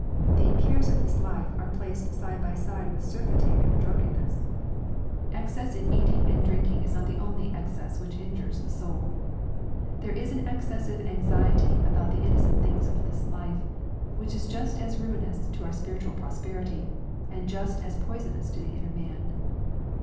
The " cares of this life" are placed side by side with surfeiting and dninkenness. Excess in eating and drinking is not the 384 EXPOSITORY THOUGHTS. only excess which injures the soul. There is an exces sive anxiety about the innocent things of this life, which is just as ruinous to our spiritual prosperity, and just as poisonous to the inner man.